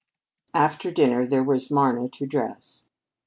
After dinner there was Marna to dress.